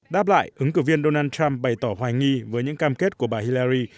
đáp lại ứng cử viên donald trump bày tỏ hoài nghi với những cam kết của bà hilyari